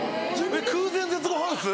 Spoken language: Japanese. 空前絶後ハウス？